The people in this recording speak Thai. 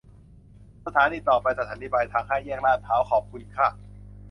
สถานีต่อไป สถานีปลายทางห้าแยกลาดพร้าว ขอบคุณค่ะ